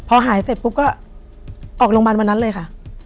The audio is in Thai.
พอหายเสร็จปุ๊บก็ออกโรงพยาบาลวันนั้นเลยค่ะ